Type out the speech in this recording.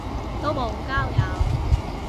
都無交友